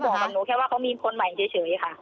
บอกกับหนูแค่ว่าเขามีคนใหม่เฉยค่ะ